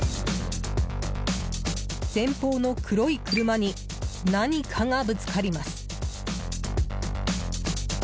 前方の黒い車に何かがぶつかります。